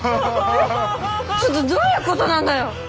えっちょっとどういうことなんだよ！？